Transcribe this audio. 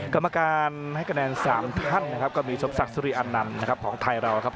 กรรมการให้คะแนน๓ท่านนะครับก็มีสมศักดิ์สุริอันนันต์นะครับของไทยเรานะครับ